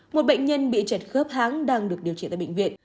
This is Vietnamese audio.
một bệnh nhân bị chẹt khớp háng đang được điều trị tại bệnh viện